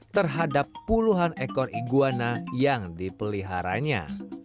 terhadap puluhan ekor iguana yang dipeliharanya